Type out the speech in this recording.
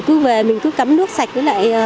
cứ về mình cứ cắm nước sạch với lại